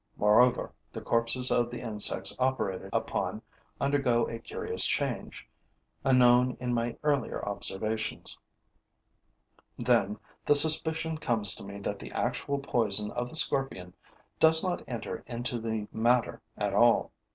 Moreover, the corpses of the insects operated upon undergo a curious change, unknown in my earlier observations. Then the suspicion comes to me that the actual poison of the scorpion does not enter into the matter at all.